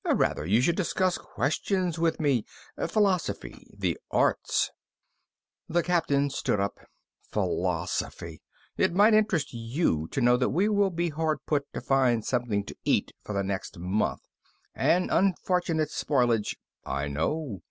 Rather you should discuss questions with me, philosophy, the arts " The Captain stood up. "Philosophy. It might interest you to know that we will be hard put to find something to eat for the next month. An unfortunate spoilage " "I know."